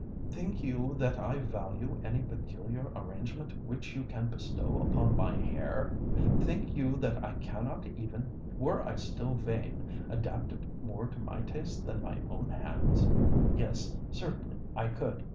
Think you that I value any peculiar arrangement which you can bestow upon my hair? Think you that I cannot even, were I still vain, adapt it more to my taste with my own hands? Yes—certainly I could!